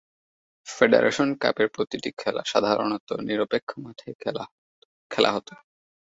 Federation কাপের প্রতিটি খেলা সাধারণত নিরপেক্ষ মাঠে খেলা হত।